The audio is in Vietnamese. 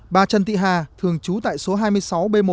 bà trần thị hà thường trú tại số hai mươi sáu b một